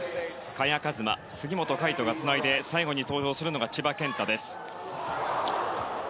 萱和磨、杉本海誉斗がつないで最後に登場するのが千葉健太です。